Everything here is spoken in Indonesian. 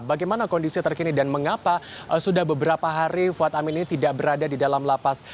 bagaimana kondisi terkini dan mengapa sudah beberapa hari fuad amin ini tidak berada di dalam lapas